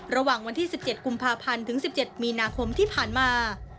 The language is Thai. ระหว่างวันที่๑๗กุมภาพันธ์ถึง๑๗มีนาคมที่ผ่านมา